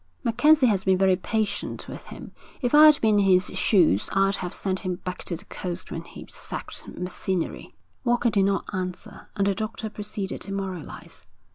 'MacKenzie has been very patient with him. If I'd been in his shoes I'd have sent him back to the coast when he sacked Macinnery.' Walker did not answer, and the doctor proceeded to moralise.